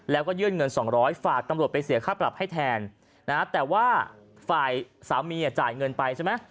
แล้วก็ยื่นเงิน๒๐๐ฝากตำรวจไปเสียค่าปรับให้แทนแต่ว่าฝ่ายสามีจ่ายเงินไปใช่ไหม